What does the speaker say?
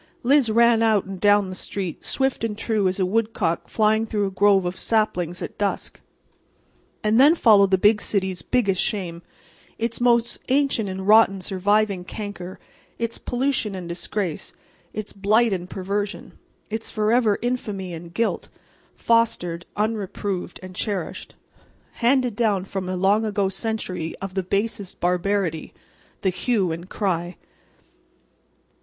Liz ran out and down the street swift and true as a woodcock flying through a grove of saplings at dusk. And then followed the big city's biggest shame, its most ancient and rotten surviving canker, its pollution and disgrace, its blight and perversion, its forever infamy and guilt, fostered, unreproved and cherished, handed down from a long ago century of the basest barbarity—the Hue and Cry.